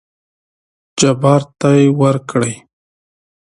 جبار ته ورکړې.